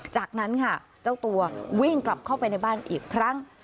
จากนั้นค่ะเจ้าตัววิ่งกลับเข้าไปในบ้านอีกครั้ง